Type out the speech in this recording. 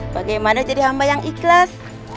bagaimana jadi hamba yang ikhlas